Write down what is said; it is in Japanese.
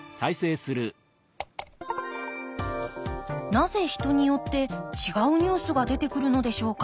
なぜ人によって違うニュースが出てくるのでしょうか。